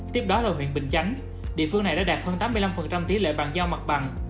tiếp đó là huyện bình chánh địa phương này đã đạt hơn tám mươi năm tỷ lệ bàn giao mặt bằng